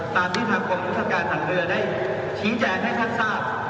ตามที่ทางกรมยุทธการทางเรือได้ชี้แจงให้ท่านทราบ